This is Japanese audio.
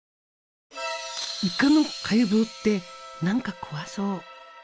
イカの解剖って何か怖そう。